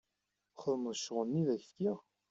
Txedmeḍ ccɣl-nni i ak-fkiɣ?